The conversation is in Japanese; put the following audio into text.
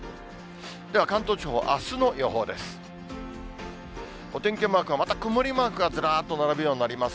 では関東地方、あすの予報です。